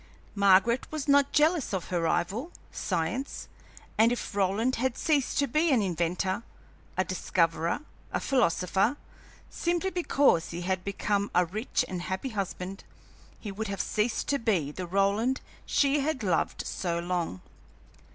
Margaret was not jealous of her rival, Science, and if Roland had ceased to be an inventor, a discoverer, a philosopher, simply because he had become a rich and happy husband, he would have ceased to be the Roland she had loved so long.